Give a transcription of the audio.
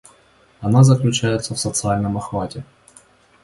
Она заключается в социальном охвате.